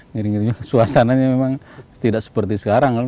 ngeri ngeri suasananya memang tidak seperti sekarang kan